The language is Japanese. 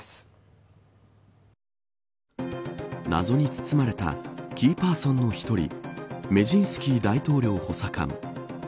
謎に包まれたキーパーソンの１人メジンスキー大統領補佐官。